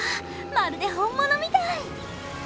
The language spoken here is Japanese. まるで本物みたい！